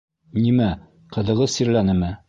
Нимә, ҡыҙығыҙ сирләнеме?